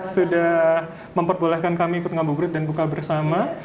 sudah memperbolehkan kami ikut ngabuburit dan buka bersama